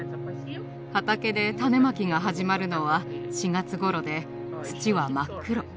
畑で種まきが始まるのは４月頃で土は真っ黒。